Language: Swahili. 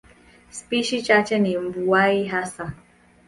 Spishi chache ni mbuai hasa.